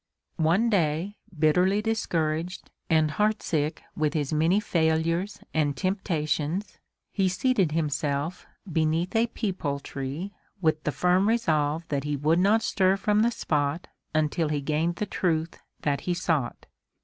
One day, bitterly discouraged, and heartsick with his many failures and temptations, he seated himself beneath a peepul tree with the firm resolve that he would not stir from the spot until he gained the truth that he sought.